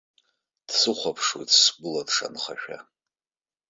Дсыхәаԥшуеит сгәыла дшанхашәа.